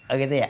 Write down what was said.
oh gitu ya